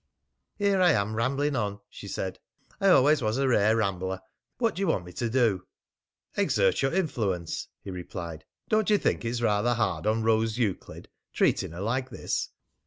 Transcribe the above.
"Here I am rambling on," she said. "I always was a rare rambler. What do you want me to do?" "Exert your influence," he replied. "Don't you think it's rather hard on Rose Euclid treating her like this?